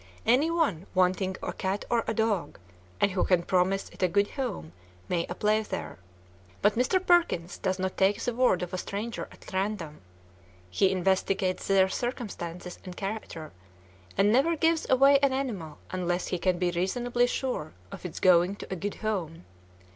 Any one wanting a cat or a dog, and who can promise it a good home, may apply there. But Mr. Perkins does not take the word of a stranger at random. He investigates their circumstances and character, and never gives away an animal unless he can be reasonably sure of its going to a good home.